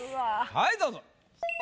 はいどうぞ。